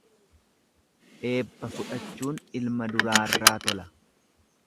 Eebba fudhachuun ilma duraarraa tola.